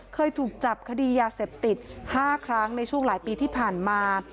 เคยถูกจับคดียาเสพติด๕ครั้งในช่วงหลายปีที่ผ่านมา